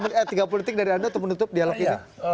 tiga puluh detik dari anda untuk menutup dialog ini